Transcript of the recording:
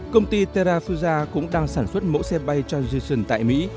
công ty terrafuja cũng đang sản xuất mẫu xe bay transition tại mỹ